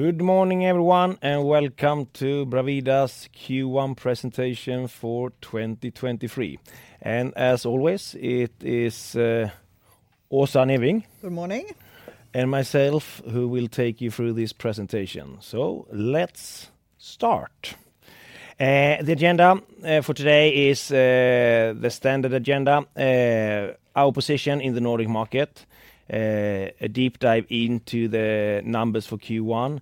Good morning everyone, and welcome to Bravida's Q1 presentation for 2023. As always, it is Åsa Neving. Good morning. Myself who will take you through this presentation. Let's start. The agenda for today is the standard agenda. Our position in the Nordic market. A deep dive into the numbers for Q1.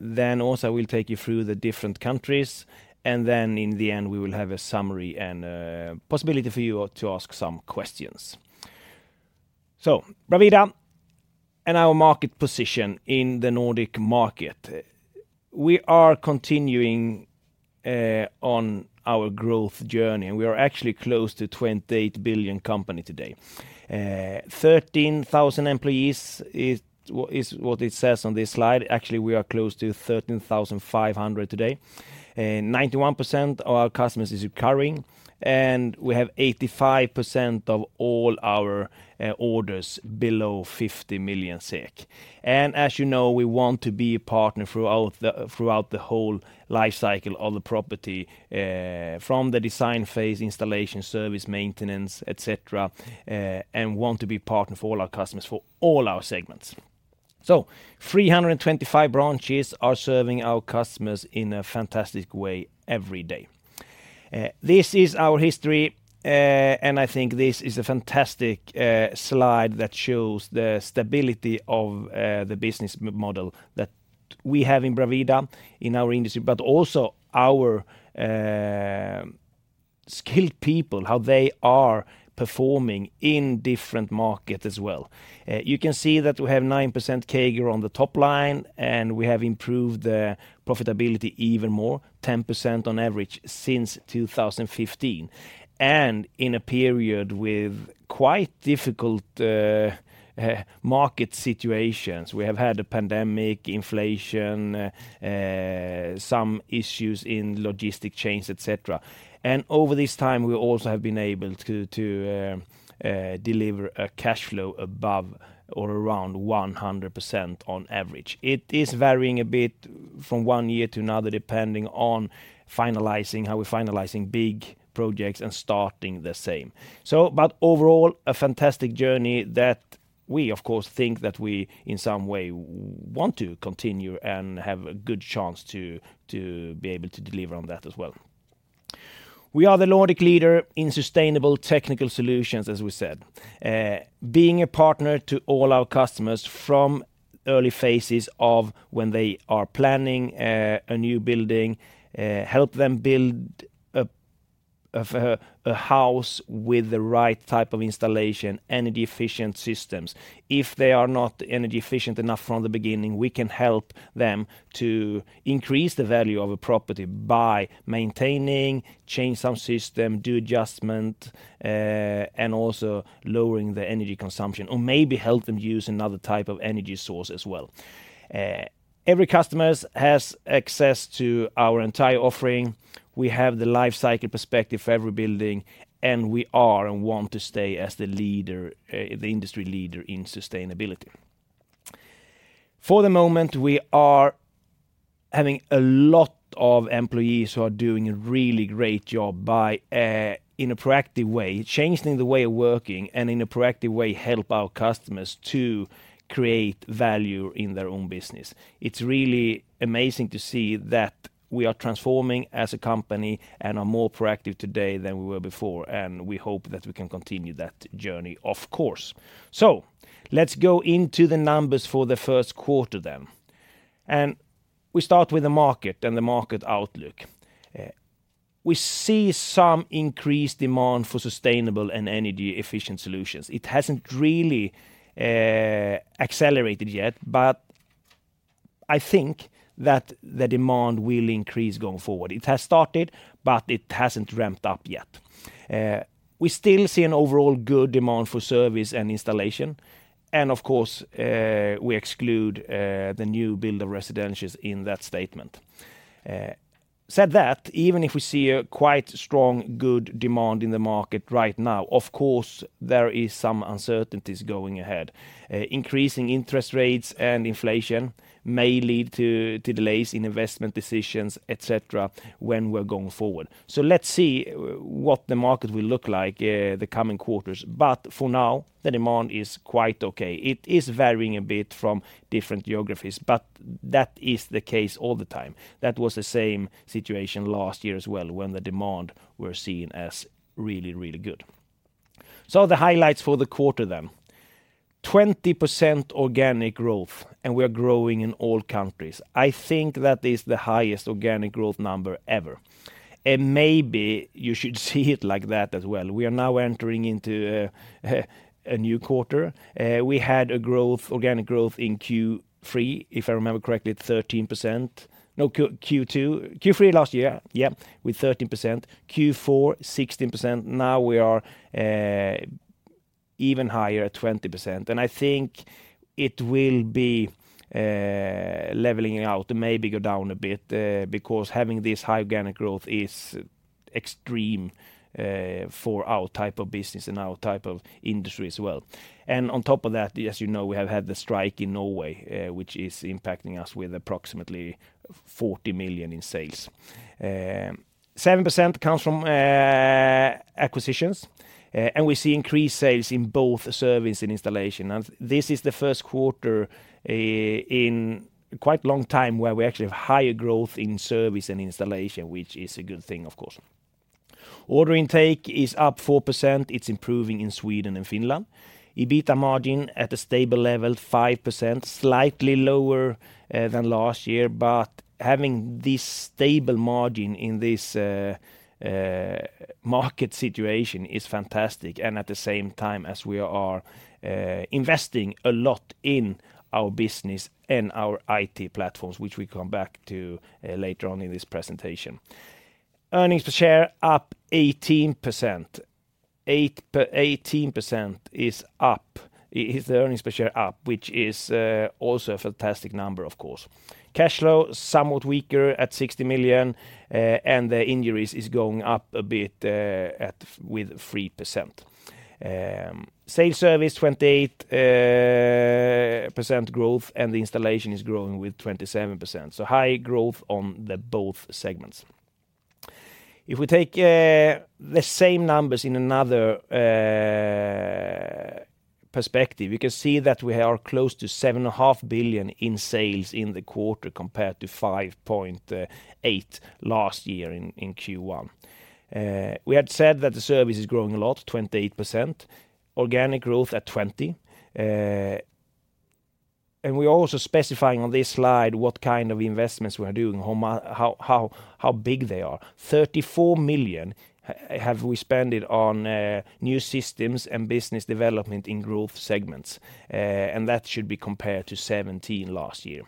Then also we'll take you through the different countries, and then in the end, we will have a summary and possibility for you all to ask some questions. Bravida and our market position in the Nordic market. We are continuing on our growth journey, and we are actually close to 28 billion company today. 13,000 employees is what it says on this slide. Actually, we are close to 13,500 today. 91% of our customers is recurring, and we have 85% of all our orders below 50 million SEK. As you know, we want to be a partner throughout the whole life cycle of the property, from the design phase, installation, service, maintenance, et cetera, and want to be partner for all our customers for all our segments. 325 branches are serving our customers in a fantastic way every day. This is our history, and I think this is a fantastic slide that shows the stability of the business model that we have in Bravida in our industry, but also our skilled people, how they are performing in different market as well. You can see that we have 9% CAGR on the top line, and we have improved the profitability even more, 10% on average since 2015. In a period with quite difficult market situations. We have had a pandemic, inflation, some issues in logistic chains, et cetera. Over this time, we also have been able to deliver a cash flow above or around 100% on average. It is varying a bit from one year to another depending on finalizing, how we're finalizing big projects and starting the same. Overall, a fantastic journey that we of course think that we, in some way want to continue and have a good chance to be able to deliver on that as well. We are the Nordic leader in sustainable technical solutions, as we said. Being a partner to all our customers from early phases of when they are planning a new building, help them build a house with the right type of installation, energy efficient systems. If they are not energy efficient enough from the beginning, we can help them to increase the value of a property by maintaining, change some system, do adjustment, and also lowering the energy consumption, or maybe help them use another type of energy source as well. Every customers has access to our entire offering. We have the life cycle perspective for every building, and we are and want to stay as the leader, the industry leader in sustainability. For the moment, we are having a lot of employees who are doing a really great job by, in a proactive way, changing the way of working, and in a proactive way, help our customers to create value in their own business. It's really amazing to see that we are transforming as a company and are more proactive today than we were before, and we hope that we can continue that journey, of course. Let's go into the numbers for the first quarter then. We start with the market and the market outlook. We see some increased demand for sustainable and energy efficient solutions. It hasn't really accelerated yet, but I think that the demand will increase going forward. It has started, but it hasn't ramped up yet. We still see an overall good demand for service and installation, and of course, we exclude the new build of residentials in that statement. Said that, even if we see a quite strong good demand in the market right now, of course, there is some uncertainties going ahead. Increasing interest rates and inflation may lead to delays in investment decisions, et cetera, when we're going forward. Let's see what the market will look like, the coming quarters. For now, the demand is quite okay. It is varying a bit from different geographies, but that is the case all the time. That was the same situation last year as well when the demand were seen as really, really good. The highlights for the quarter then. 20% organic growth. We are growing in all countries. I think that is the highest organic growth number ever. Maybe you should see it like that as well. We are now entering into a new quarter. We had a growth, organic growth in Q3, if I remember correctly, 13%. No, Q, Q2. Q3 last year, yeah, with 13%. Q4, 16%. Now we are even higher at 20%. I think it will be leveling out, maybe go down a bit, because having this high organic growth is extreme for our type of business and our type of industry as well. On top of that, as you know, we have had the strike in Norway, which is impacting us with approximately 40 million in sales. 7% comes from acquisitions, and we see increased sales in both service and installation. This is the first quarter in quite a long time where we actually have higher growth in service and installation, which is a good thing of course. Order intake is up 4%. It's improving in Sweden and Finland. EBITA margin at a stable level, 5%, slightly lower than last year, but having this stable margin in this market situation is fantastic, and at the same time, as we are investing a lot in our business and our IT platforms, which we come back to later on in this presentation. Earnings per share up 18%. 18% is the earnings per share up, which is also a fantastic number of course. Cash flow somewhat weaker at 60 million, and the injuries is going up a bit, with 3%. Same service, 28% growth and the installation is growing with 27%. High growth on the both segments. If we take the same numbers in another perspective, you can see that we are close to 7.5 billion in sales in the quarter compared to 5.8 billion last year in Q1. We had said that the service is growing a lot, 28%, organic growth at 20%. And we're also specifying on this slide what kind of investments we are doing, how big they are. 34 million have we spent it on new systems and business development in growth segments, and that should be compared to 17 million last year.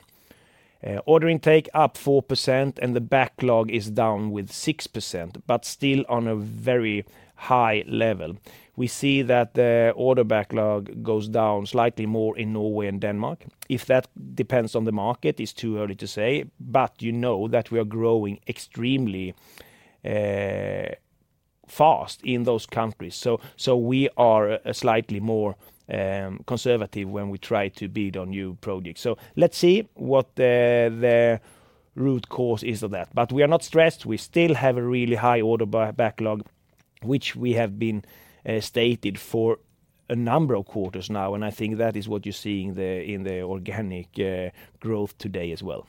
Order intake up 4% and the backlog is down with 6%, but still on a very high level. We see that the order backlog goes down slightly more in Norway and Denmark. If that depends on the market, it's too early to say, but you know that we are growing extremely fast in those countries. We are slightly more conservative when we try to bid on new projects. Let's see what the root cause is of that. We are not stressed. We still have a really high order backlog, which we have been stated for a number of quarters now, and I think that is what you're seeing in the organic growth today as well.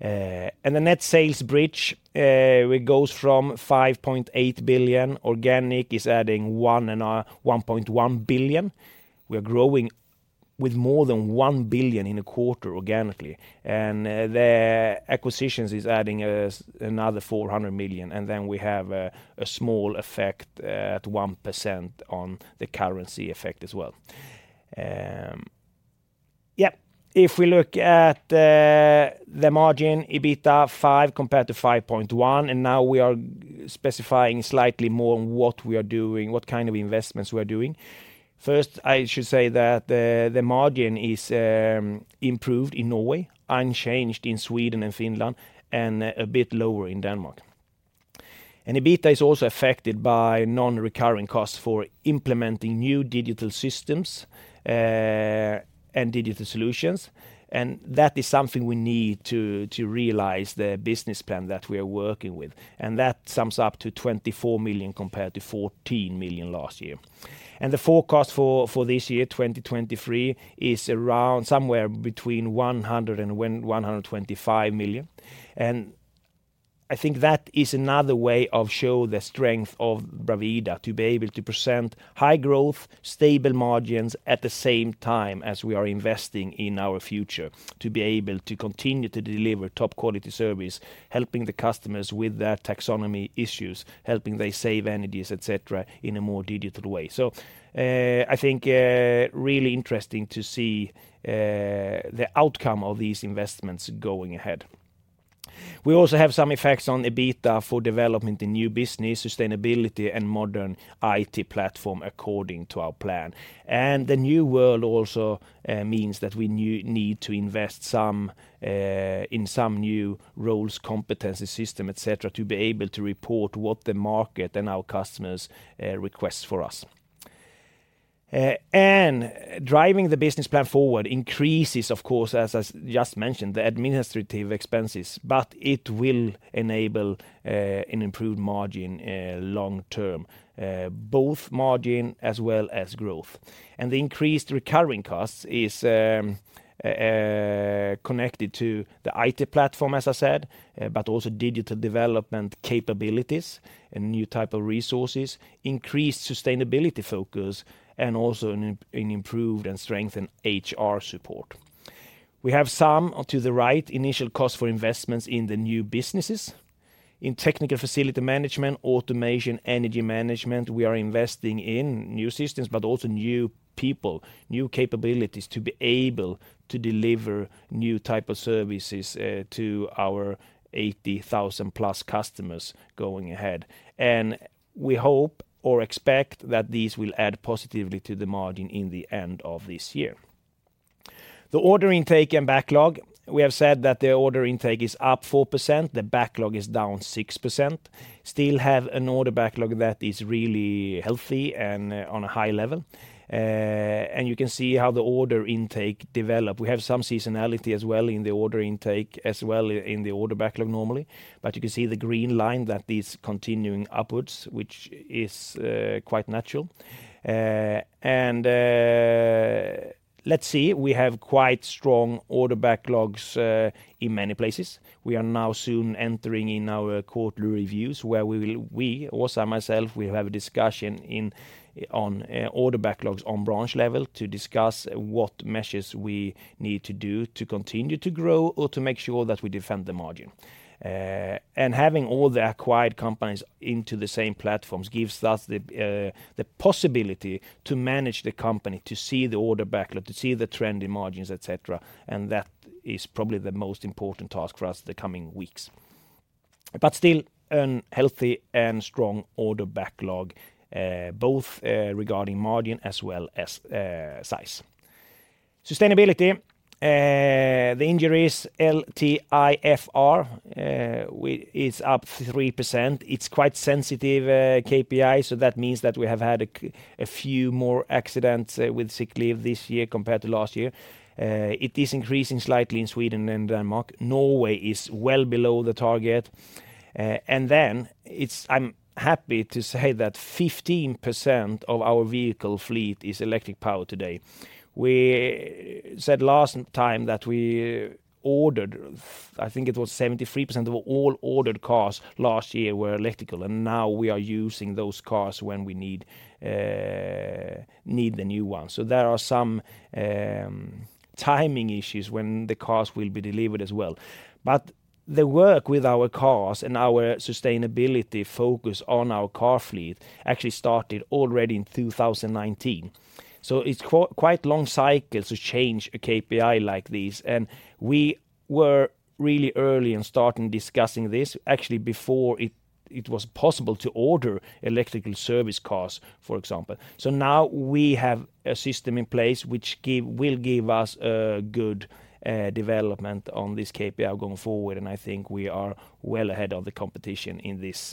The net sales bridge, it goes from 5.8 billion. Organic is adding one and 1.1 billion. We're growing with more than 1 billion in a quarter organically. The acquisitions is adding another 400 million, and we have a small effect at 1% on the currency effect as well. If we look at the margin EBITA 5 compared to 5.1, and now we are specifying slightly more on what we are doing, what kind of investments we are doing. First, I should say that the margin is improved in Norway, unchanged in Sweden and Finland, and a bit lower in Denmark. EBITA is also affected by non-recurring costs for implementing new digital systems and digital solutions. That is something we need to realize the business plan that we are working with. That sums up to 24 million compared to 14 million last year. The forecast for this year, 2023, is around somewhere between 100 million and 125 million. I think that is another way of show the strength of Bravida to be able to present high growth, stable margins at the same time as we are investing in our future to be able to continue to deliver top quality service, helping the customers with their taxonomy issues, helping they save energies, et cetera, in a more digital way. I think really interesting to see the outcome of these investments going ahead. We also have some effects on EBITA for development in new business, sustainability and modern IT platform according to our plan. The new world also means that we need to invest some in some new roles, competency system, et cetera, to be able to report what the market and our customers request for us. Driving the business plan forward increases of course, as I just mentioned, the administrative expenses, but it will enable an improved margin long term, both margin as well as growth. The increased recurring costs is connected to the IT platform, as I said, but also digital development capabilities and new type of resources, increased sustainability focus, and also an improved and strengthened HR support. We have some to the right initial cost for investments in the new businesses. In Technical Facility Management, building automation, energy management, we are investing in new systems, but also new people, new capabilities to be able to deliver new type of services to our 80,000 plus customers going ahead. We hope or expect that these will add positively to the margin in the end of this year. The order intake and backlog, we have said that the order intake is up 4%, the backlog is down 6%. Still have an order backlog that is really healthy and on a high level. You can see how the order intake develop. We have some seasonality as well in the order intake as well in the order backlog normally. You can see the green line that is continuing upwards, which is quite natural. Let's see. We have quite strong order backlogs in many places. We are now soon entering in our quarterly reviews where we will Åsa and myself have a discussion on order backlogs on branch level to discuss what measures we need to do to continue to grow or to make sure that we defend the margin. Having all the acquired companies into the same platforms gives us the possibility to manage the company, to see the order backlog, to see the trending margins, et cetera, and that is probably the most important task for us the coming weeks. Still, an healthy and strong order backlog, both regarding margin as well as size. Sustainability. The injuries, LTIFR, is up 3%. It's quite sensitive, KPI. That means that we have had a few more accidents with sick leave this year compared to last year. It is increasing slightly in Sweden and Denmark. Norway is well below the target. I'm happy to say that 15% of our vehicle fleet is electric power today. We said last time that we ordered, I think it was 73% of all ordered cars last year were electrical. Now we are using those cars when we need the new ones. There are some timing issues when the cars will be delivered as well. The work with our cars and our sustainability focus on our car fleet actually started already in 2019. It's quite long cycle to change a KPI like this, and we were really early in starting discussing this, actually before it was possible to order electrical service cars, for example. Now we have a system in place which will give us a good development on this KPI going forward, and I think we are well ahead of the competition in this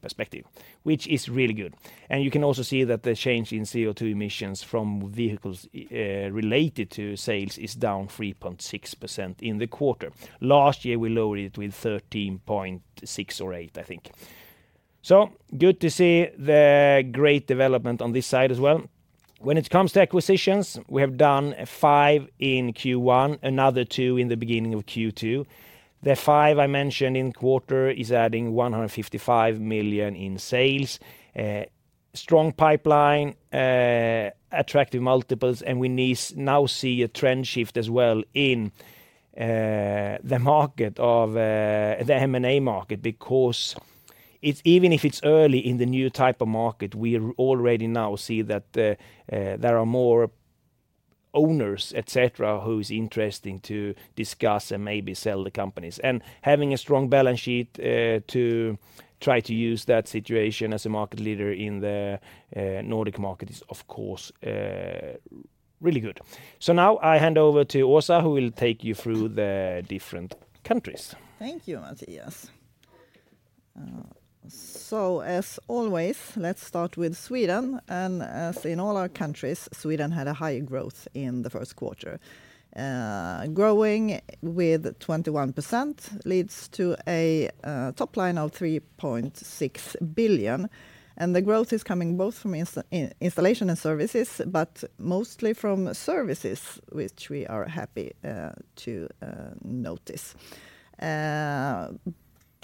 perspective, which is really good. You can also see that the change in CO2 emissions from vehicles related to sales is down 3.6% in the quarter. Last year, we lowered it with 13.6 or 8, I think. Good to see the great development on this side as well. When it comes to acquisitions, we have done five in Q1, another two in the beginning of Q2. The 5 I mentioned in quarter is adding 155 million in sales. Strong pipeline, attractive multiples, and we now see a trend shift as well in the market of the M&A market because it's, even if it's early in the new type of market, we already now see that there are more owners, et cetera, who's interesting to discuss and maybe sell the companies. Having a strong balance sheet to try to use that situation as a market leader in the Nordic market is, of course, really good. Now I hand over to Åsa, who will take you through the different countries. Thank you, Mattias. As always, let's start with Sweden. As in all our countries, Sweden had a high growth in the first quarter. Growing with 21% leads to a top line of 3.6 billion. The growth is coming both from installation and services, but mostly from services, which we are happy to notice.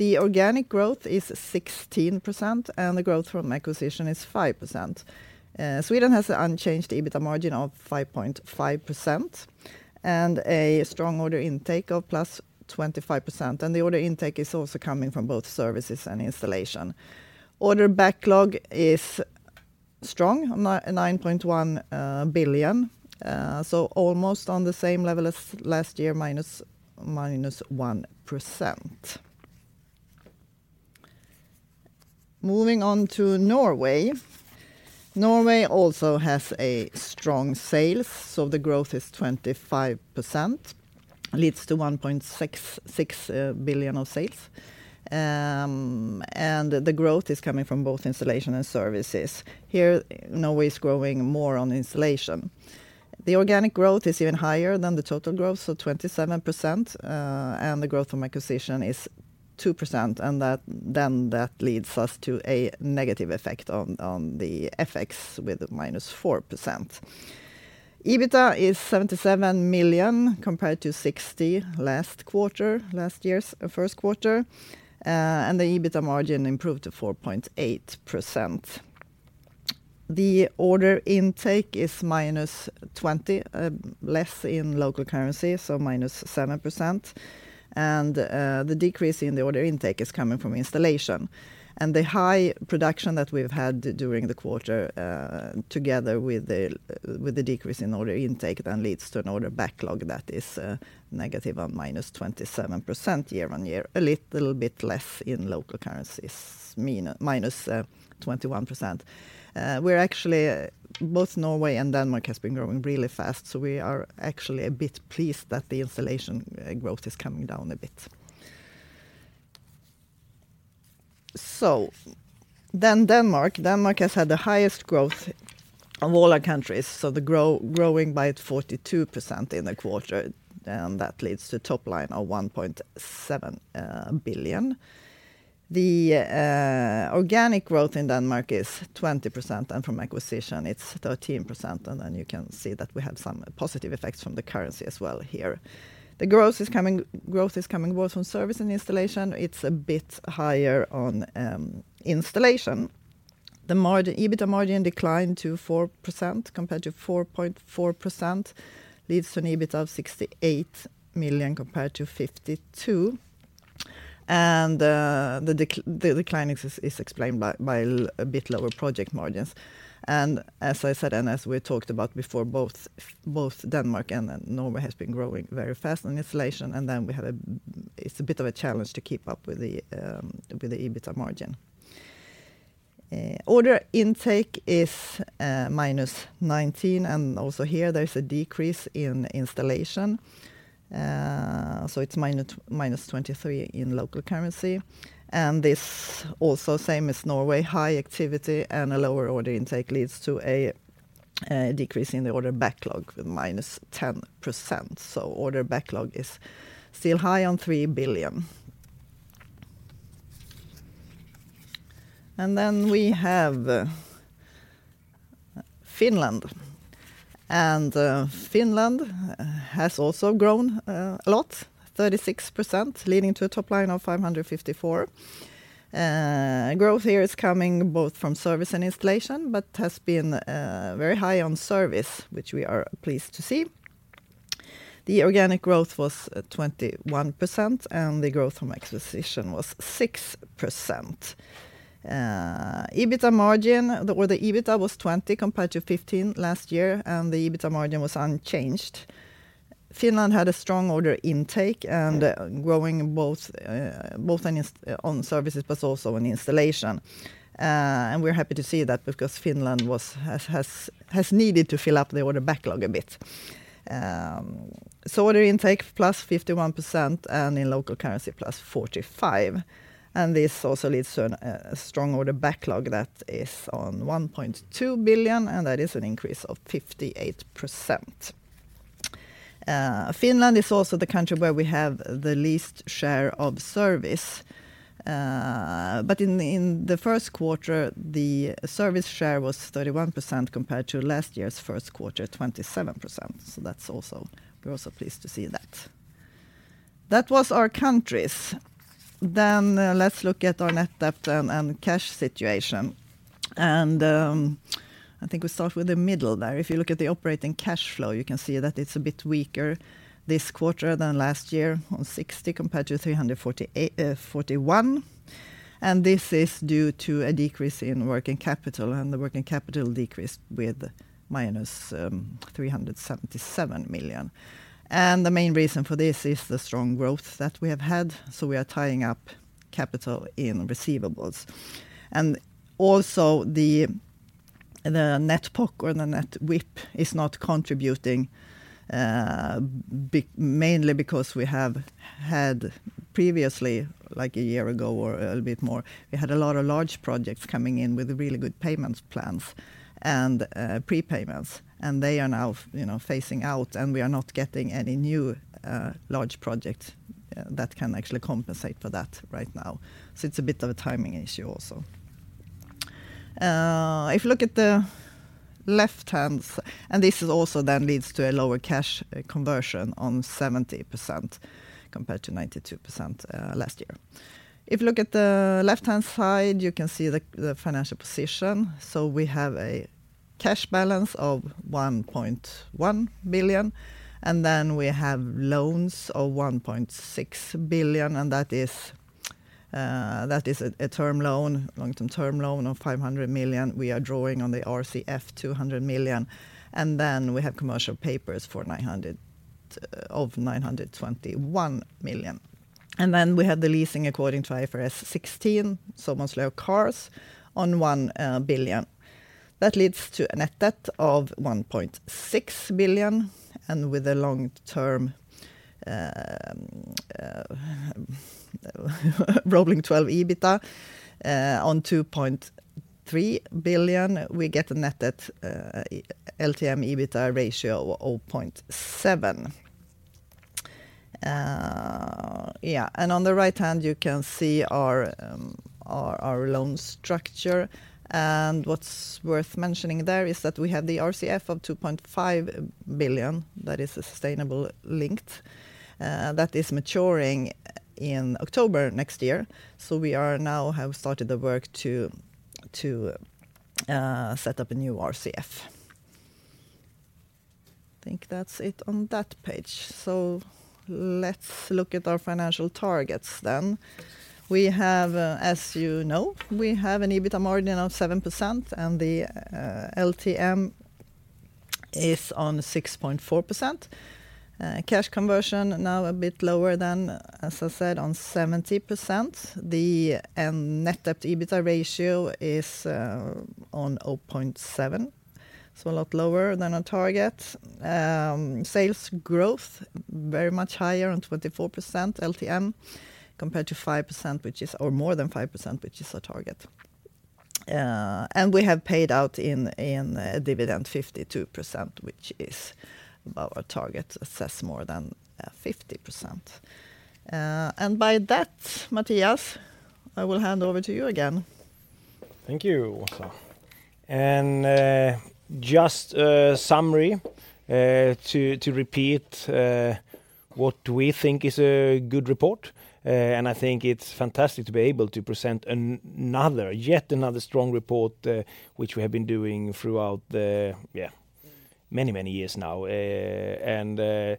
The organic growth is 16%. The growth from acquisition is 5%. Sweden has an unchanged EBITA margin of 5.5% and a strong order intake of +25%. The order intake is also coming from both services and installation. Order backlog is strong, 9.1 billion, almost on the same level as last year -1%. Moving on to Norway. Norway also has a strong sales, so the growth is 25%, leads to 1.66 billion of sales, and the growth is coming from both installation and services. Here, Norway is growing more on installation. The organic growth is even higher than the total growth, so 27%, and the growth from acquisition is 2%. That leads us to a negative effect on the FX with -4%. EBITA is 77 million compared to 60 million last year's first quarter, and the EBITA margin improved to 4.8%. The order intake is -20 less in local currency, so -7%, and the decrease in the order intake is coming from installation. The high production that we've had during the quarter, together with the decrease in order intake then leads to an order backlog that is negative or minus 27% year-on-year, a little bit less in local currencies, minus 21%. We're actually, both Norway and Denmark has been growing really fast, so we are actually a bit pleased that the installation growth is coming down a bit. Denmark. Denmark has had the highest growth of all our countries, so the growing by 42% in the quarter, and that leads to top line of 1.7 billion. The organic growth in Denmark is 20%, and from acquisition it's 13%, and then you can see that we have some positive effects from the currency as well here. The growth is coming both from service and installation. It's a bit higher on installation. The EBITDA margin declined to 4% compared to 4.4%, leads to an EBITDA of 68 million compared to 52 million. The decline is explained by a bit lower project margins. As I said, and as we talked about before, both Denmark and Norway has been growing very fast on installation, then it's a bit of a challenge to keep up with the EBITDA margin. Order intake is -19%, and also here there's a decrease in installation. It's -23% in local currency. This also same as Norway, high activity and a lower order intake leads to a decrease in the order backlog with -10%. Order backlog is still high on 3 billion. We have Finland. Finland has also grown a lot, 36%, leading to a top line of 554 million. Growth here is coming both from service and installation, but has been very high on service, which we are pleased to see. The organic growth was 21%, and the growth from acquisition was 6%. EBITDA margin or the EBITDA was 20 million compared to 15 million last year, and the EBITDA margin was unchanged. Finland had a strong order intake and growing both on services, but also on installation. We're happy to see that because Finland was. has needed to fill up the order backlog a bit. Order intake +51% and in local currency +45%. This also leads to a strong order backlog that is on 1.2 billion, and that is an increase of 58%. Finland is also the country where we have the least share of service, but in the first quarter, the service share was 31% compared to last year's first quarter, 27%. We're also pleased to see that. That was our countries. Let's look at our net debt and cash situation. I think we start with the middle there. If you look at the operating cash flow, you can see that it's a bit weaker this quarter than last year on 60 compared to 341. This is due to a decrease in working capital, the working capital decreased with minus 377 million. The main reason for this is the strong growth that we have had, so we are tying up capital in receivables. Also the net POC or the net WIP is not contributing, mainly because we have had previously, like a year ago or a little bit more, we had a lot of large projects coming in with really good payments plans and prepayments, and they are now, you know, phasing out, and we are not getting any new large projects that can actually compensate for that right now. It's a bit of a timing issue also. If you look at the left-hand... This is also then leads to a lower cash conversion on 70% compared to 92% last year. If you look at the left-hand side, you can see the financial position. We have a cash balance of 1.1 billion, and then we have loans of 1.6 billion, and that is a term loan, long-term loan of 500 million. We are drawing on the RCF 200 million, and then we have commercial papers for 921 million. Then we have the leasing according to IFRS 16, so mostly our cars, on 1 billion. That leads to a net debt of 1.6 billion, and with a long-term, rolling twelve EBITDA on 2.3 billion, we get a net debt LTM EBITDA ratio of 0.7. Yeah, on the right hand, you can see our loan structure. What's worth mentioning there is that we have the RCF of 2.5 billion, that is sustainability-linked, that is maturing in October next year. We are now have started the work to set up a new RCF. I think that's it on that page. Let's look at our financial targets then. We have, as you know, we have an EBITDA margin of 7%, and the LTM is on 6.4%. Cash conversion now a bit lower than, as I said, on 70%. The net debt to EBITDA ratio is on 0.7, a lot lower than our target. Sales growth very much higher on 24% LTM compared to 5%, or more than 5%, which is our target. We have paid out in a dividend 52% which is above our target assess more than 50%. By that Mattias, I will hand over to you again. Thank you. Just a summary to repeat what we think is a good report. I think it's fantastic to be able to present another, yet another strong report, which we have been doing throughout the many, many years now. Today,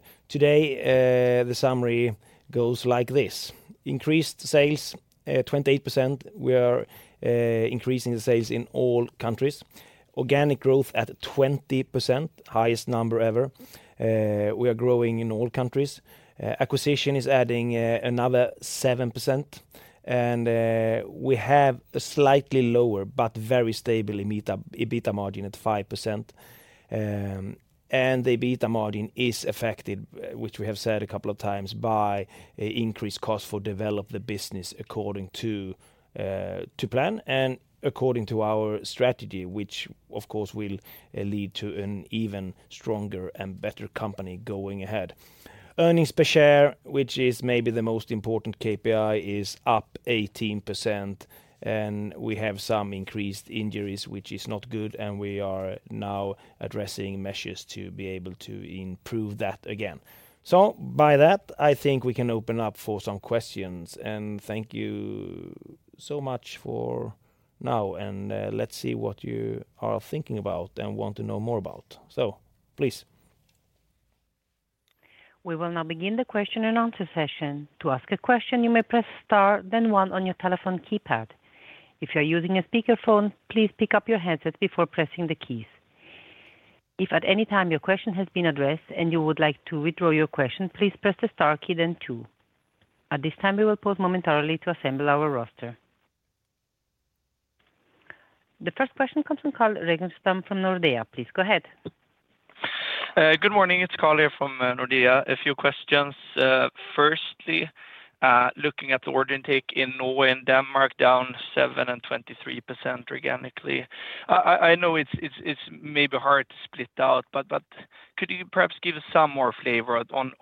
the summary goes like this: increased sales, 28%. We are increasing the sales in all countries. Organic growth at 20%, highest number ever. We are growing in all countries. Acquisition is adding another 7%, we have a slightly lower but very stable EBITA margin at 5%. The EBITDA margin is affected, which we have said a couple of times, by increased cost for develop the business according to plan and according to our strategy, which of course will lead to an even stronger and better company going ahead. Earnings per share, which is maybe the most important KPI, is up 18%. We have some increased injuries, which is not good. We are now addressing measures to be able to improve that again. By that, I think we can open up for some questions. Thank you so much for now, and let's see what you are thinking about and want to know more about. Please. We will now begin the question and answer session. To ask a question, you may press star, then one on your telephone keypad. If you are using a speakerphone, please pick up your handset before pressing the keys. If at any time your question has been addressed and you would like to withdraw your question, please press the star key then two. At this time, we will pause momentarily to assemble our roster. The first question comes from Carl Ragnerstam from Nordea. Please go ahead. Good morning. It's Carl here from Nordea. A few questions. Firstly, looking at the order intake in Norway and Denmark down 7% and 23% organically, I know it's maybe hard to split out, but could you perhaps give us some more flavor on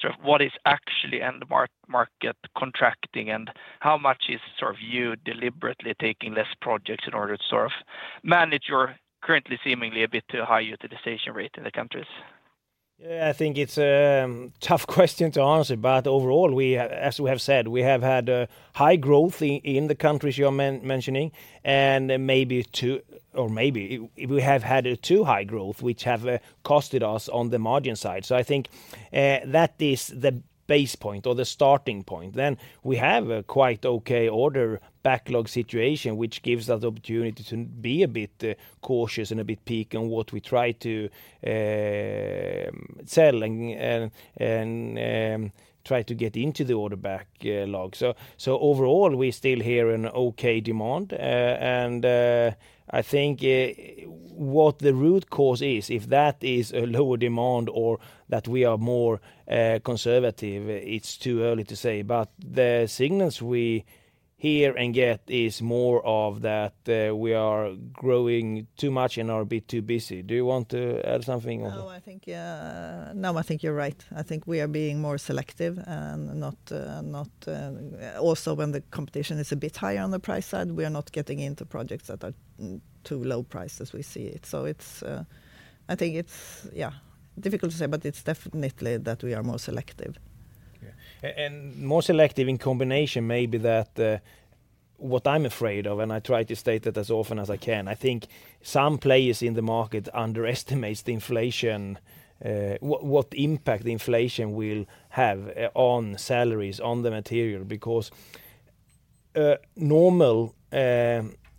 sort of what is actually end market contracting and how much is sort of you deliberately taking less projects in order to sort of manage your currently seemingly a bit too high utilization rate in the countries? Yeah, I think it's tough question to answer. Overall, we have, as we have said, we have had high growth in the countries you're mentioning and maybe too, or maybe we have had a too high growth, which have costed us on the margin side. I think that is the base point or the starting point. We have a quite okay order backlog situation, which gives us the opportunity to be a bit cautious and a bit peak on what we try to sell and try to get into the order back, log. Overall, we still hear an okay demand, and I think what the root cause is, if that is a lower demand or that we are more conservative, it's too early to say. The signals we hear and get is more of that, we are growing too much and are a bit too busy. Do you want to add something or? I think, yeah. I think you're right. I think we are being more selective and not, also when the competition is a bit higher on the price side, we are not getting into projects that are too low price as we see it. It's, I think it's, yeah, difficult to say, but it's definitely that we are more selective. Yeah. And more selective in combination may be that, what I'm afraid of, and I try to state it as often as I can, I think some players in the market underestimates the inflation, what impact the inflation will have on salaries, on the material. A normal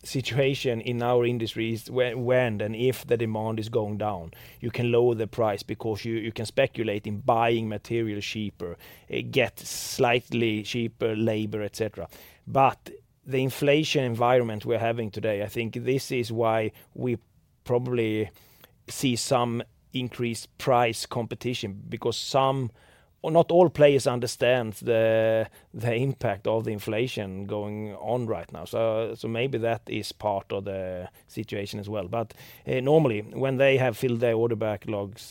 situation in our industry is when and if the demand is going down, you can lower the price because you can speculate in buying material cheaper, it gets slightly cheaper labor, et cetera. The inflation environment we're having today, I think this is why we probably see some increased price competition because some or not all players understand the impact of the inflation going on right now. Maybe that is part of the situation as well. Normally when they have filled their order backlogs,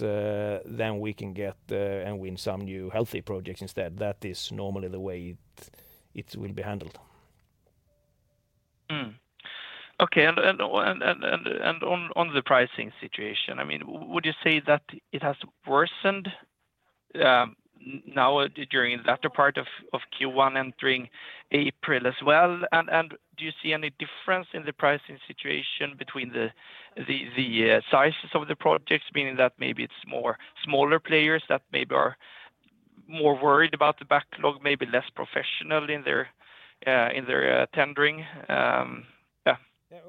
then we can get and win some new healthy projects instead. That is normally the way it will be handled. Okay. On the pricing situation, I mean, would you say that it has worsened now during the latter part of Q1 and during April as well? Do you see any difference in the pricing situation between the sizes of the projects? Meaning that maybe it's more smaller players that maybe are more worried about the backlog, maybe less professional in their tendering?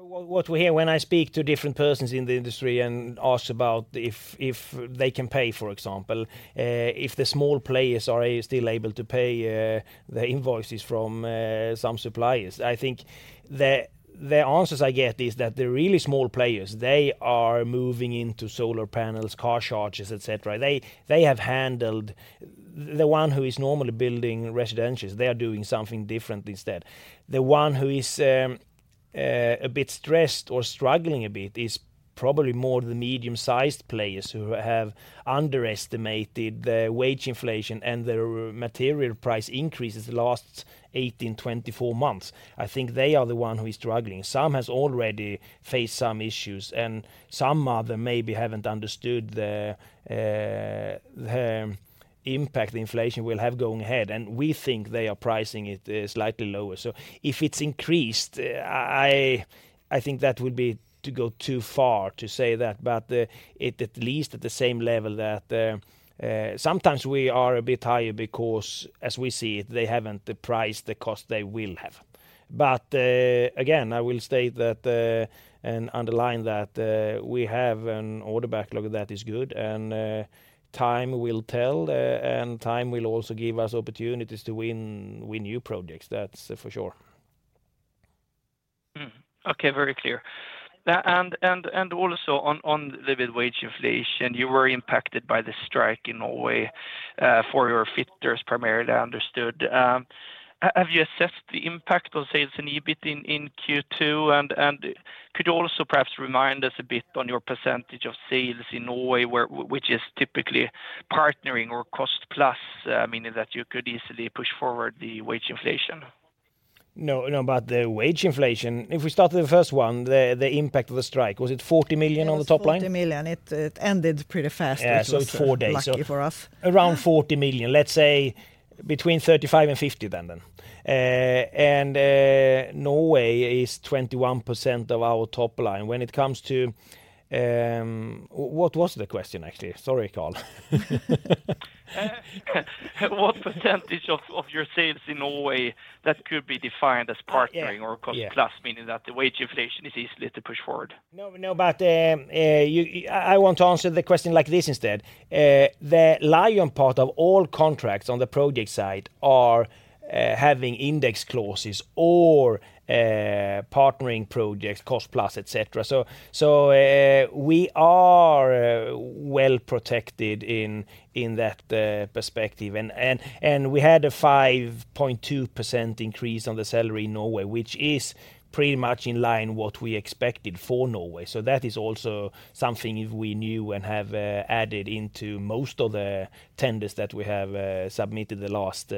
What we hear when I speak to different persons in the industry and ask about if they can pay, for example, if the small players are still able to pay the invoices from some suppliers. I think the answers I get is that the really small players, they are moving into solar panels, car chargers, et cetera. They have handled... The one who is normally building residentials, they are doing something different instead. The one who is a bit stressed or struggling a bit is probably more the medium-sized players who have underestimated the wage inflation and their material price increases the last 18, 24 months. I think they are the one who is struggling. Some has already faced some issues, some other maybe haven't understood the impact the inflation will have going ahead, and we think they are pricing it slightly lower. If it's increased, I think that would be to go too far to say that, but it at least at the same level that sometimes we are a bit higher because as we see it, they haven't the price, the cost they will have. Again, I will state that and underline that we have an order backlog that is good, and time will tell, and time will also give us opportunities to win new projects. That's for sure. Mm. Okay. Very clear. Also on the wage inflation, you were impacted by the strike in Norway for your fitters primarily, I understood. Have you assessed the impact on sales and EBIT in Q2? Could you also perhaps remind us a bit on your percentage of sales in Norway where which is typically partnering or cost plus, meaning that you could easily push forward the wage inflation? No, no, the wage inflation, if we start with the first one, the impact of the strike, was it 40 million on the top line? It was 40 million. It ended pretty fast. Yeah, it's four days. Lucky for us. Around 40 million, let's say between 35 million and 50 million. Norway is 21% of our top line. When it comes to, what was the question actually? Sorry, Karl. What percent of your sales in Norway that could be defined as partnering? Oh, yeah.... or cost plus, meaning that the wage inflation is easy to push forward? No, no, you, I want to answer the question like this instead. The lion part of all contracts on the project side are having index clauses or partnering projects, cost plus, et cetera. We are well-protected in that perspective. We had a 5.2% increase on the salary in Norway, which is pretty much in line what we expected for Norway. That is also something if we knew and have added into most of the tenders that we have submitted the last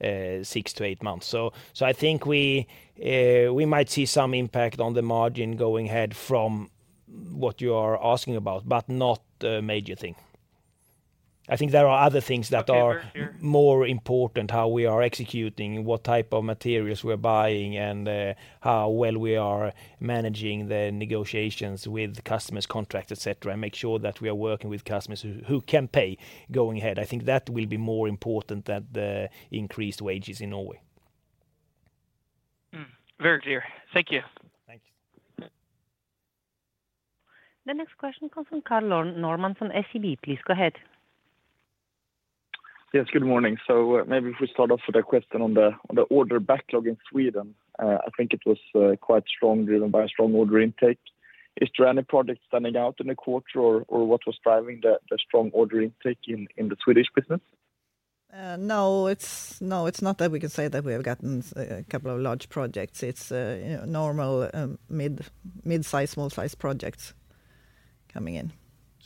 6-8 months. I think we might see some impact on the margin going ahead from what you are asking about, but not a major thing. I think there are other things that are. Okay. Sure... more important, how we are executing, what type of materials we're buying, and how well we are managing the negotiations with customers, contracts, et cetera, and make sure that we are working with customers who can pay going ahead. I think that will be more important than the increased wages in Norway. Very clear. Thank you. Thanks. The next question comes from Karl Norén from SEB. Please go ahead. Yes, good morning. Maybe if we start off with a question on the order backlog in Sweden. I think it was quite strong, driven by a strong order intake. Is there any project standing out in the quarter or what was driving the strong order intake in the Swedish business? No, it's not that we can say that we have gotten a couple of large projects. It's, you know, normal, mid-size, small size projects coming in.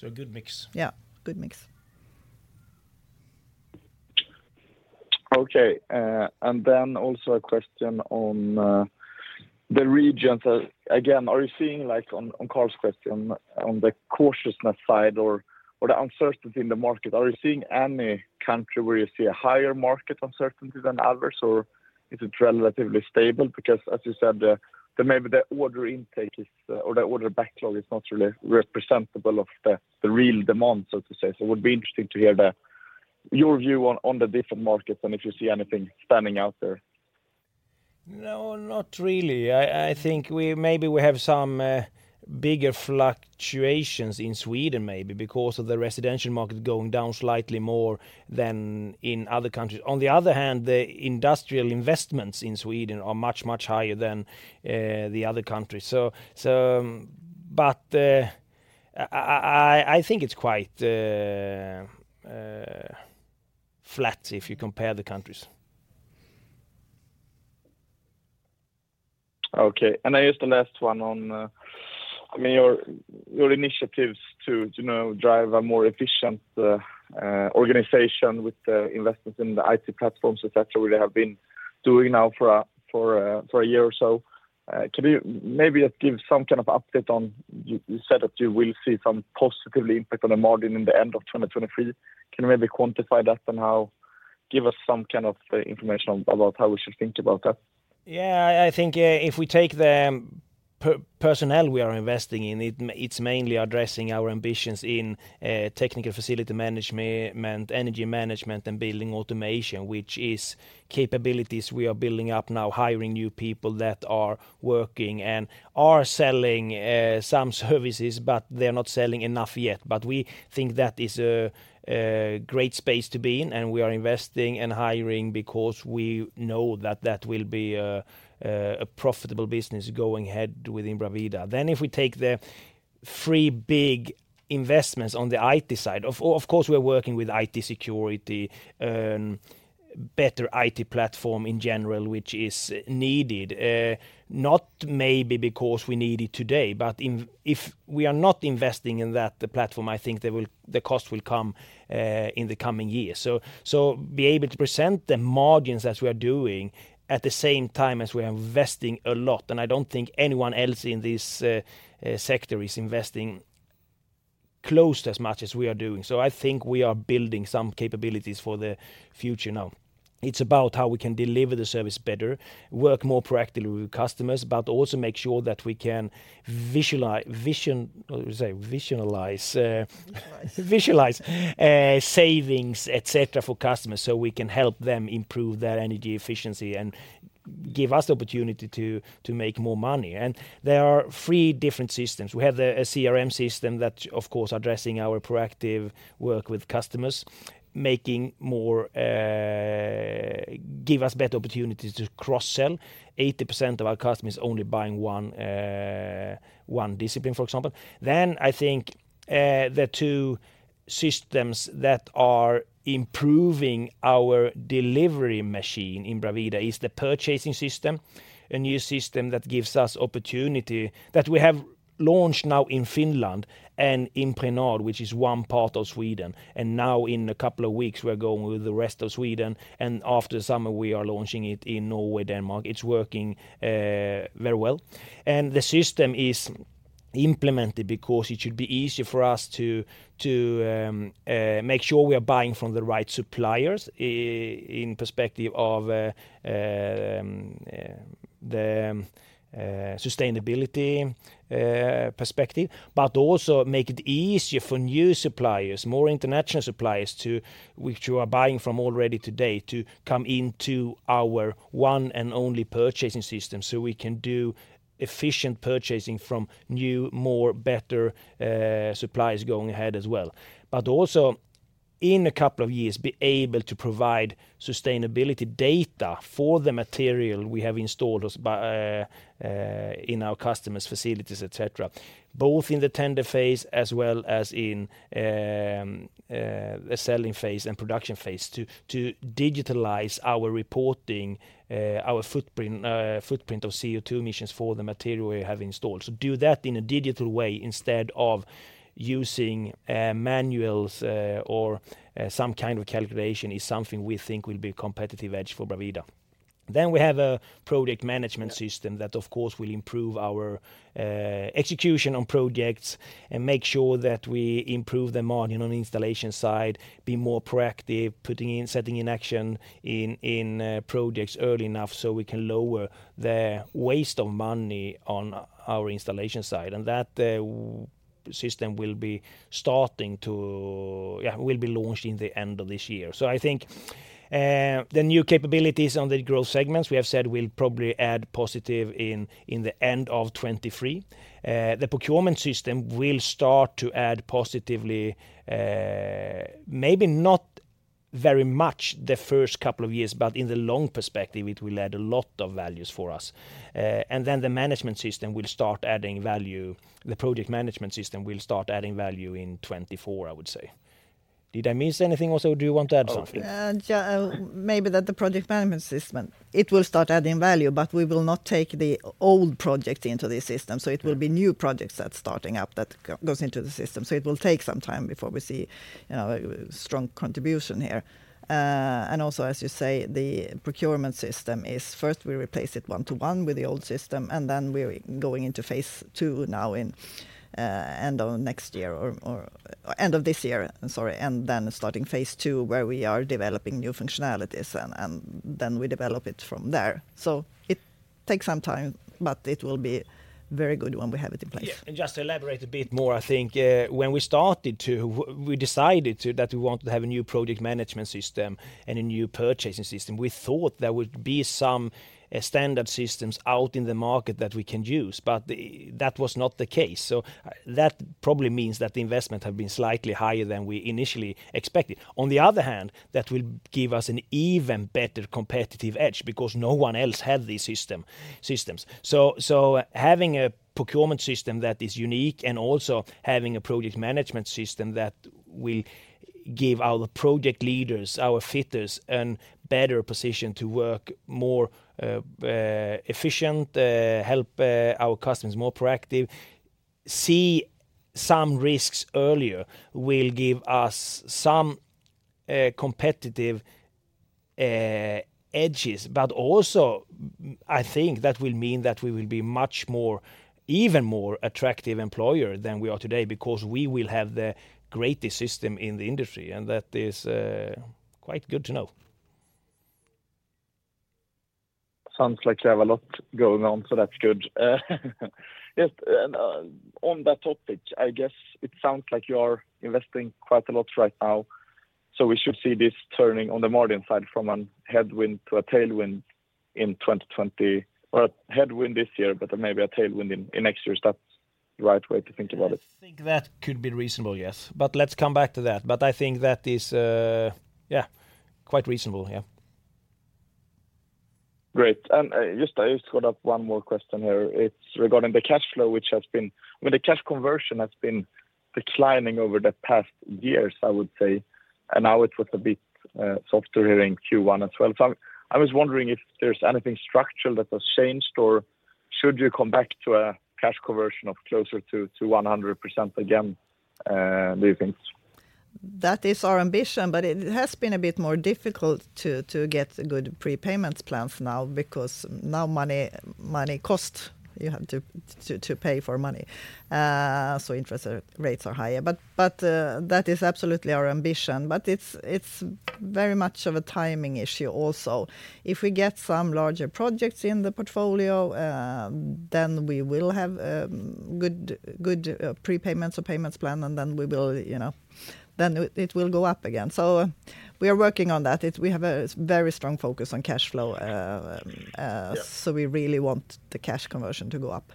A good mix. Yeah. Good mix. Okay. Also a question on the regions. Again, are you seeing, like on Karl's question, on the cautiousness side or the uncertainty in the market, are you seeing any country where you see a higher market uncertainty than others, or is it relatively stable? As you said, the maybe the order intake is, or the order backlog is not really representable of the real demand, so to say. It would be interesting to hear your view on the different markets and if you see anything standing out there. No, not really. I think we maybe have some bigger fluctuations in Sweden maybe because of the residential market going down slightly more than in other countries. On the other hand, the industrial investments in Sweden are much higher than the other countries. But I think it's quite flat if you compare the countries. Okay. I guess the last one on, I mean, your initiatives to, you know, drive a more efficient organization with the investments in the IT platforms, et cetera, where they have been doing now for a year or so. Can you maybe give some kind of update on you said that you will see some positively impact on the margin in the end of 2023? Can you maybe quantify that and how, give us some kind of information on, about how we should think about that? Yeah. I think, if we take the personnel we are investing in, it's mainly addressing our ambitions in Technical Facility Management, energy management, and building automation, which is capabilities we are building up now, hiring new people that are working and are selling some services, but they're not selling enough yet. We think that is a great space to be in, and we are investing and hiring because we know that that will be a profitable business going ahead within Bravida. If we take the Three big investments on the IT side. Of course, we're working with IT security and better IT platform in general, which is needed. not maybe because we need it today, but if we are not investing in that, the platform, I think the cost will come in the coming years. be able to present the margins as we are doing at the same time as we are investing a lot, and I don't think anyone else in this sector is investing close to as much as we are doing. I think we are building some capabilities for the future now. It's about how we can deliver the service better, work more proactively with customers, but also make sure that we can visualize. Visualize. Visualize savings, et cetera, for customers so we can help them improve their energy efficiency and give us the opportunity to make more money. There are 3 different systems. We have a CRM system that of course addressing our proactive work with customers, making more, give us better opportunities to cross-sell. 80% of our customers only buying 1 discipline, for example. I think the 2 systems that are improving our delivery machine in Bravida is the purchasing system, a new system that gives us opportunity that we have launched now in Finland and in Norrland, which is 1 part of Sweden. Now in a couple of weeks, we're going with the rest of Sweden, and after summer, we are launching it in Norway, Denmark. It's working very well. The system is implemented because it should be easier for us to make sure we are buying from the right suppliers in perspective of the sustainability perspective, but also make it easier for new suppliers, more international suppliers to which you are buying from already today to come into our one and only purchasing system so we can do efficient purchasing from new, more, better suppliers going ahead as well. Also in a couple of years, be able to provide sustainability data for the material we have installed us by in our customers' facilities, et cetera, both in the tender phase as well as in a selling phase and production phase to digitalize our reporting, our footprint of CO2 emissions for the material we have installed. Do that in a digital way instead of using manuals or some kind of calculation is something we think will be a competitive edge for Bravida. We have a project management system that of course will improve our execution on projects and make sure that we improve the margin on the installation side, be more proactive, putting in, setting in action in projects early enough so we can lower the waste of money on our installation side. That system will be launched in the end of this year. I think the new capabilities on the growth segments, we have said we'll probably add positive in the end of 2023. The procurement system will start to add positively, maybe not very much the first couple of years, but in the long perspective, it will add a lot of values for us. Then the project management system will start adding value in 2024, I would say. Did I miss anything also? Do you want to add something? Yeah, maybe that the project management system, it will start adding value, but we will not take the old project into the system. It will be new projects that's starting up that goes into the system. It will take some time before we see, you know, strong contribution here. And also, as you say, the procurement system is first we replace it one to one with the old system, and then we're going into phase II now in end of next year or end of this year, sorry, and then starting phase II, where we are developing new functionalities and then we develop it from there. So it takes some time, but it will be very good when we have it in place. Yeah. Just to elaborate a bit more, I think, when we decided to that we want to have a new project management system and a new purchasing system, we thought there would be some standard systems out in the market that we can use, that was not the case. That probably means that the investment has been slightly higher than we initially expected. On the other hand, that will give us an even better competitive edge because no one else has these systems. Having a procurement system that is unique and also having a project management system that will give our project leaders, our fitters, a better position to work more efficient, help our customers more proactive, see some risks earlier, will give us some competitive edges. Also I think that will mean that we will be much more, even more attractive employer than we are today because we will have the greatest system in the industry, and that is quite good to know. Sounds like you have a lot going on. That's good. Yes, on that topic, I guess it sounds like you are investing quite a lot right now. We should see this turning on the margin side from a headwind to a tailwind or a headwind this year, but then maybe a tailwind in next year. Is that the right way to think about it? I think that could be reasonable, yes. Let's come back to that. I think that is, yeah, quite reasonable, yeah. Great. I just got up one more question here. It's regarding the cash flow. I mean, the cash conversion has been declining over the past years, I would say, and now it was a bit softer here in Q1 as well. I was wondering if there's anything structural that has changed, or should you come back to a cash conversion of closer to 100% again, do you think? That is our ambition. It has been a bit more difficult to get good prepayment plans now because now money costs, you have to pay for money. Interest rates are higher. That is absolutely our ambition, but it's very much of a timing issue also. If we get some larger projects in the portfolio, then we will have good prepayments or payments plan, and then we will, you know, then it will go up again. We are working on that. We have a very strong focus on cash flow. Yeah... We really want the cash conversion to go up.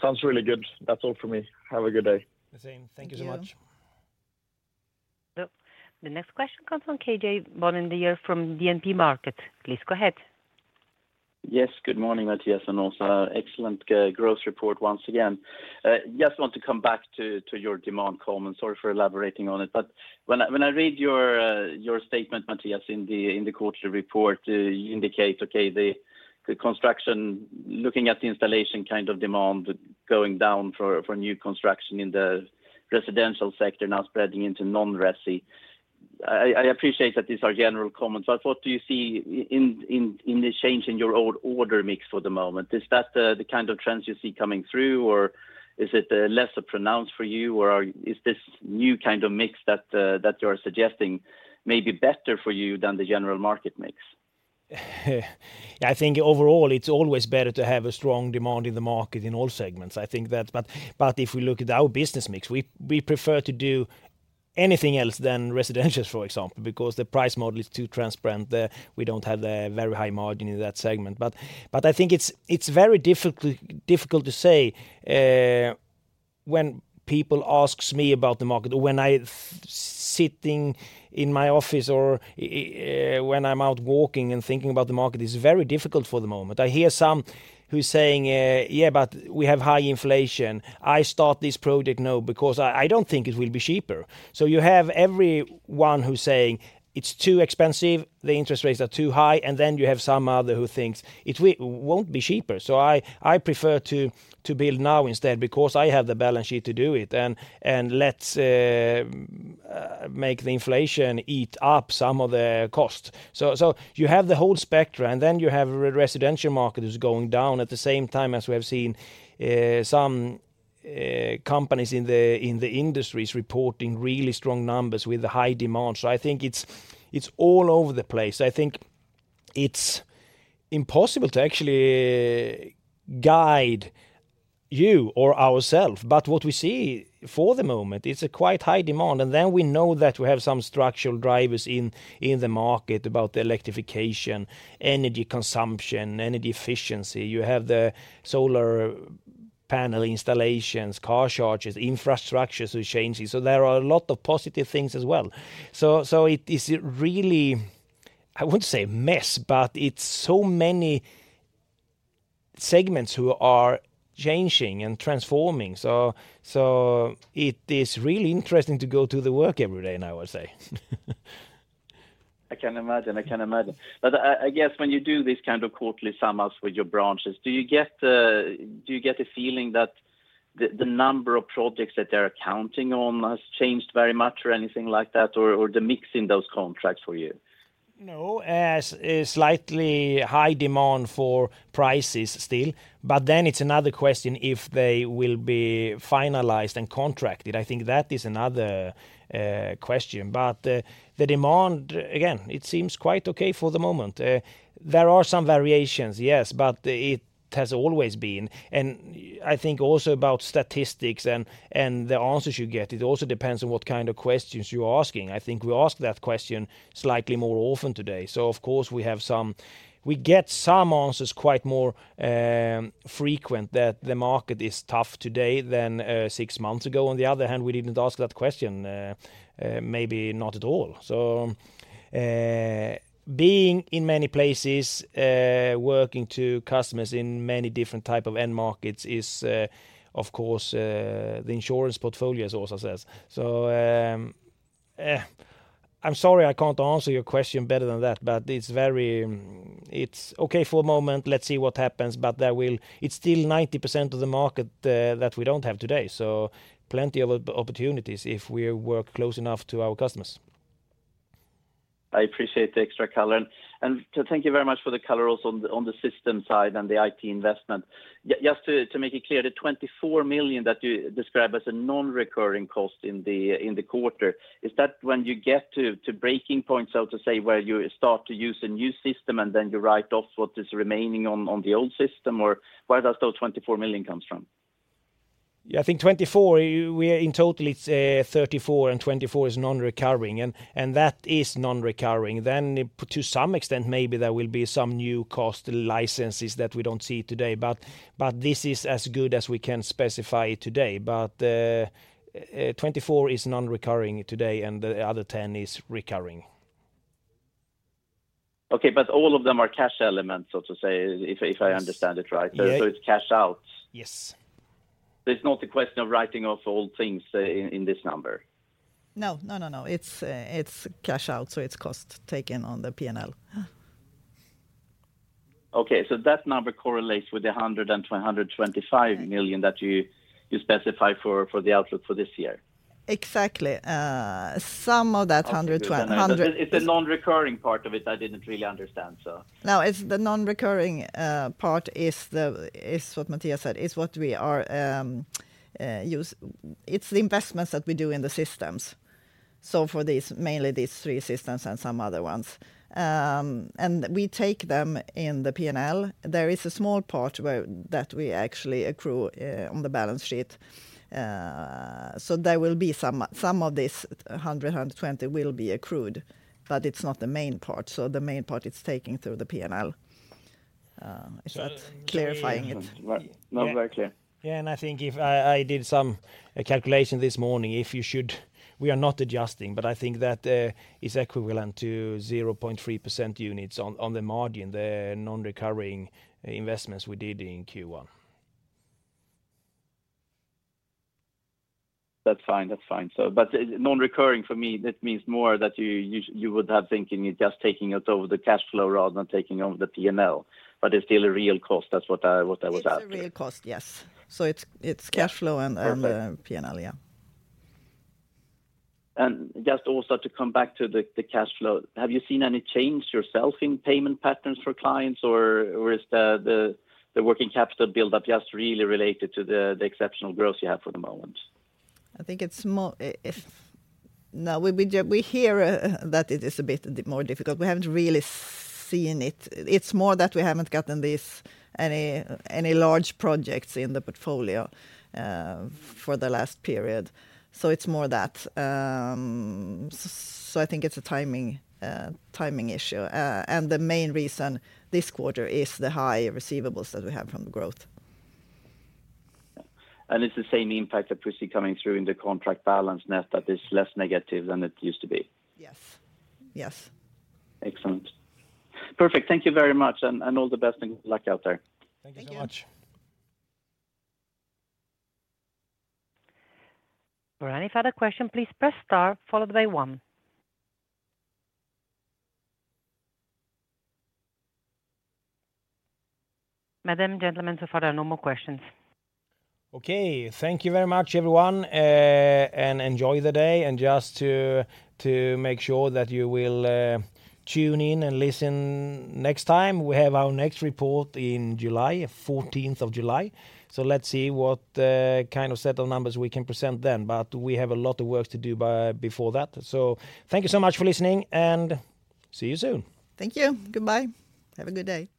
Sounds really good. That's all for me. Have a good day. Same. Thank you so much. Yeah. The next question comes from Karl-Johan Bonnevier from DNB Markets. Please go ahead. Yes. Good morning, Mattias, and also excellent growth report once again. Just want to come back to your demand comment. Sorry for elaborating on it. When I, when I read your statement, Mattias, in the quarter report, you indicate, okay, the construction, looking at the installation kind of demand going down for new construction in the residential sector now spreading into non-resi. I appreciate that these are general comments. What do you see in the change in your old order mix for the moment? Is that the kind of trends you see coming through, or is it lesser pronounced for you, or is this new kind of mix that you're suggesting may be better for you than the general market mix? I think overall, it's always better to have a strong demand in the market in all segments. I think that, but if we look at our business mix, we prefer to do anything else than residentials, for example, because the price model is too transparent. We don't have the very high margin in that segment. I think it's very difficult to say when people asks me about the market or when I sitting in my office or when I'm out walking and thinking about the market, it's very difficult for the moment. I hear some who's saying, "Yeah, but we have high inflation. I start this project now because I don't think it will be cheaper." You have everyone who's saying, "It's too expensive, the interest rates are too high." Then you have some other who thinks, "It won't be cheaper, so I prefer to build now instead because I have the balance sheet to do it, and let's make the inflation eat up some of the cost." You have the whole spectra, and then you have residential market is going down at the same time as we have seen some companies in the industries reporting really strong numbers with high demand. I think it's all over the place. I think it's impossible to actually guide you or ourselves. What we see for the moment, it's a quite high demand. We know that we have some structural drivers in the market about the electrification, energy consumption, energy efficiency. You have the solar panel installations, car chargers, infrastructures who's changing. There are a lot of positive things as well. It is really, I wouldn't say a mess, it's so many segments who are changing and transforming. It is really interesting to go to the work every day now, I would say. I can imagine. I can imagine. I guess when you do these kind of quarterly sum ups with your branches, do you get a feeling that the number of projects that they're accounting on has changed very much or anything like that, or the mix in those contracts for you? No. Slightly high demand for prices still. It's another question if they will be finalized and contracted. I think that is another question. The demand, again, it seems quite okay for the moment. There are some variations, yes, but it has always been. I think also about statistics and the answers you get, it also depends on what kind of questions you're asking. I think we ask that question slightly more often today. Of course we have some. We get some answers quite more frequent that the market is tough today than 6 months ago. On the other hand, we didn't ask that question, maybe not at all. Being in many places, working to customers in many different type of end markets is, of course, the insurance portfolio as Åsa says. I'm sorry I can't answer your question better than that, but it's very, it's okay for a moment. Let's see what happens. It's still 90% of the market that we don't have today, so plenty of opportunities if we work close enough to our customers. I appreciate the extra color. Thank you very much for the color also on the system side and the IT investment. Yes, to make it clear, the 24 million that you describe as a non-recurring cost in the quarter, is that when you get to breaking points, so to say, where you start to use a new system and then you write off what is remaining on the old system, or where does those 24 million comes from? Yeah, I think 24, in total it's 34, and 24 is non-recurring, and that is non-recurring. To some extent, maybe there will be some new cost licenses that we don't see today. This is as good as we can specify today. 24 is non-recurring today, and the other 10 is recurring. Okay. All of them are cash elements, so to say if I understand it right. Yeah. It's cash out? Yes. There's not a question of writing off all things in this number? No. No, no. It's cash out. It's cost taken on the P&L. Okay. That number correlates with the 125 million that you specify for the outlook for this year? Exactly. some of that It's the non-recurring part of it I didn't really understand, so. No. It's the non-recurring part is what Mattias said, it's what we are. It's the investments that we do in the systems. For these, mainly these three systems and some other ones. We take them in the P&L. There is a small part where, that we actually accrue on the balance sheet. There will be some of this 120 will be accrued, but it's not the main part. The main part it's taking through the P&L. Is that clarifying it? Not very clear. Yeah. Yeah. I think if I did some calculation this morning We are not adjusting, but I think that is equivalent to 0.3% units on the margin, the non-recurring investments we did in Q1. That's fine. That's fine. But non-recurring for me, that means more that you would have thinking you're just taking it over the cashflow rather than taking it over the P&L, but it's still a real cost. That's what I was asking. It's a real cost, yes. It's cashflow and. Perfect P&L. Yeah. Just also to come back to the cash flow, have you seen any change yourself in payment patterns for clients or is the, the working capital build up just really related to the exceptional growth you have for the moment? I think it's No. We do, we hear that it is a bit more difficult. We haven't really seen it. It's more that we haven't gotten this any large projects in the portfolio for the last period. It's more that. I think it's a timing timing issue. The main reason this quarter is the high receivables that we have from the growth. It's the same impact that we see coming through in the contract balance net that is less negative than it used to be? Yes. Yes. Excellent. Perfect. Thank you very much and all the best and good luck out there. Thank you. Thank you so much. For any further question, please press star followed by 1. Madam, gentlemen, so far there are no more questions. Okay. Thank you very much everyone, enjoy the day and just to make sure that you will tune in and listen next time. We have our next report in July, 14th of July. Let's see what kind of set of numbers we can present then. We have a lot of work to do before that. Thank you so much for listening and see you soon. Thank you. Goodbye. Have a good day.